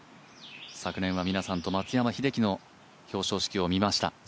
昨年は皆さんと松山英樹の表彰式を見ました。